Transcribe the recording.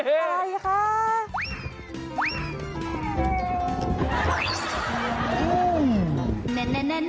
อะไรคะ